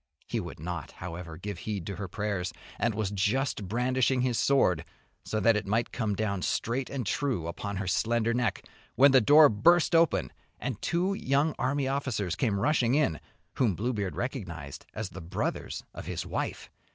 He would not, however, give heed to her prayers, and was just brandishing his sword, so that it might come down straight and true upon her slender neck, when the door burst open and two young army officers came rushing in, whom Bluebeard recognised as the brothers of his wife.